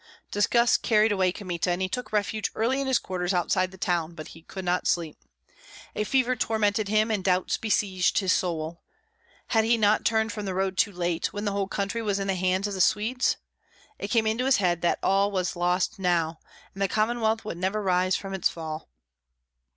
Disgust carried away Kmita, and he took refuge early in his quarters outside the town, but he could not sleep. A fever tormented him, and doubts besieged his soul. Had he not turned from the road too late, when the whole country was in the hands of the Swedes? It came into his head that all was lost now, and the Commonwealth would never rise from its fall.